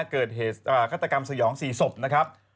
เกิดเหตุฆาตกรรมสยอง๔ศพนะครับ